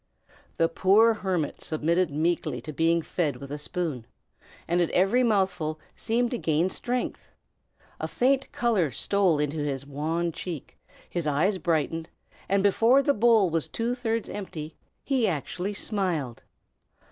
The poor hermit submitted meekly to being fed with a spoon, and at every mouthful seemed to gain strength. A faint color stole into his wan cheek, his eyes brightened, and before the bowl was two thirds empty, he actually smiled.